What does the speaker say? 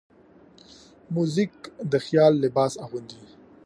موزیک د خیال لباس اغوندي.